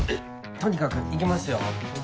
とにかく行きますよ。